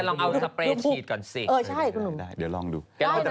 รู้หรือเปล่าเดี๋ยวลองดู